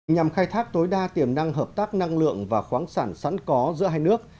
nhằm khai thác tối đa tiềm năng hợp tác năng lượng và khoáng sản sẵn có giữa hai nước